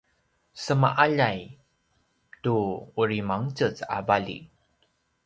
sema’aljay tu uri mangtjez a vali